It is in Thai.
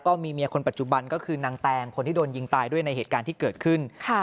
เมียคนปัจจุบันก็คือนางแตงคนที่โดนยิงตายด้วยในเหตุการณ์ที่เกิดขึ้น